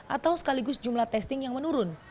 atau sekaligus jumlah testing yang menurun